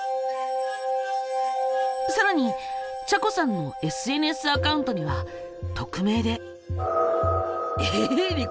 さらにちゃこさんのＳＮＳアカウントには匿名で。